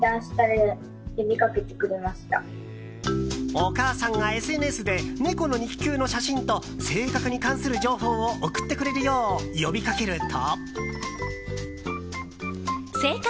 お母さんがＳＮＳで猫の肉球の写真と性格に関する情報を送ってくれるよう呼びかけると。